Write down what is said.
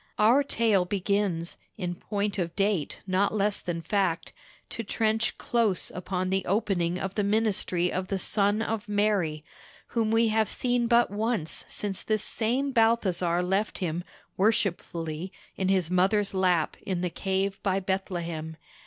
Our tale begins, in point of date not less than fact, to trench close upon the opening of the ministry of the Son of Mary, whom we have seen but once since this same Balthasar left him worshipfully in his mother's lap in the cave by Bethlehem.